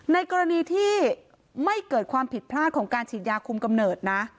ในกรณีที่ไม่เกิดความผิดพลาดของการฉีดยาคุมกำเนิดนะ